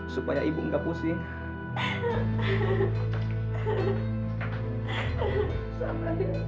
supaya ibu gak pusing